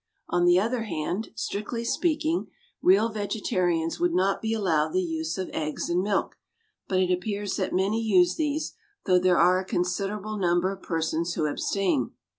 On the other hand, strictly speaking, real vegetarians would not be allowed the use of eggs and milk; but it appears that many use these, though there are a considerable number of persons who abstain.